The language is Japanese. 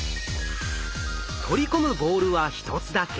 取り込むボールは１つだけ。